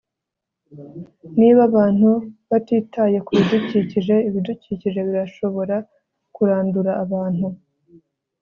Niba abantu batitaye kubidukikije ibidukikije birashobora kurandura abantu